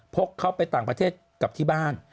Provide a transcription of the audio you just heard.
กเขาไปต่างประเทศกลับที่บ้าน